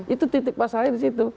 itu titik pasal saya disitu